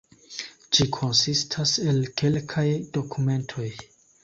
Ĝi konsistas el kelkaj dokumentoj.